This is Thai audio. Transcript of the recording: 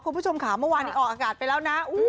คุณผู้ชมค่ะเมื่อวานนี้ออกอากาศไปแล้วนะ